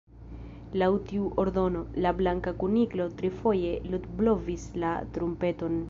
Laŭ tiu ordono, la Blanka Kuniklo trifoje ludblovis la trumpeton.